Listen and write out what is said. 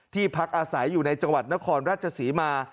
พักอาศัยอยู่ในจังหวัดนครราชศรีมา